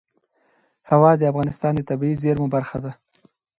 هوا د افغانستان د طبیعي زیرمو برخه ده.